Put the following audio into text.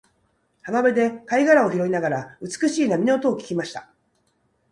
浜辺で貝殻を拾いながら、美しい波の音を聞きました。